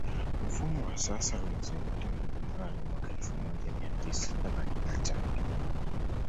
Mfumo wa sasa ulizinduliwa Januari mwaka elfu moja mia tisa themanini na tano